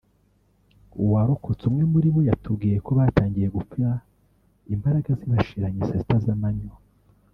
uwarokotse umwe muri bo yatubwiye ko batangiye gupfa imbaraga zibashiranye saa sita z’amanywa